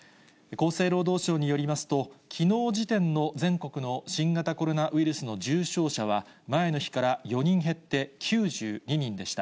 厚生労働省によりますと、きのう時点の全国の新型コロナウイルスの重症者は、前の日から４人減って９２人でした。